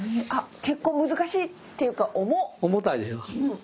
重たいでしょ？